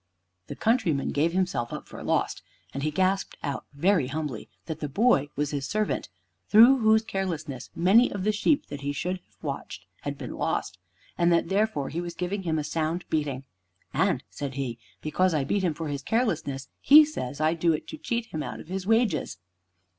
The countryman gave himself up for lost, and he gasped out very humbly that the boy was his servant, through whose carelessness many of the sheep that he should have watched had been lost, and that therefore he was giving him a sound beating. "And," said he, "because I beat him for his carelessness, he says I do it to cheat him out of his wages."